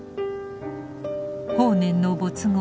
法然の没後